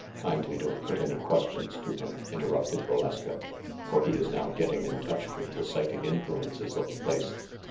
"Kindly don't put any questions to him," interrupted Valeska ; "for he is now getting in touch with the psy chic influences of the place."